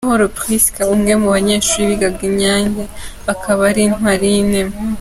Uwamahoro Prisca, umwe mu banyeshuri bigaga i Nyange akaba ari Intwari y’Imena.